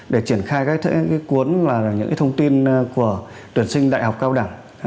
để triển khai cái cuốn là những thông tin của tuyển sinh đại học cao đẳng